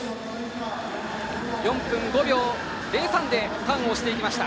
４分５秒０３でターンしました。